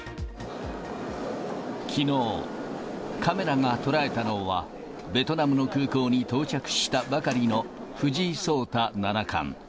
きのう、カメラが捉えたのは、ベトナムの空港に到着したばかりの藤井聡太七冠。